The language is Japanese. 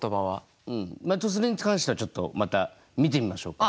まあそれに関してはちょっとまた見てみましょうか。